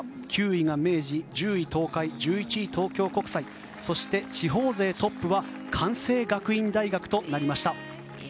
９位が明治、１０位、東海１１位、東京国際そして、地方勢トップは関西学院大学となりました。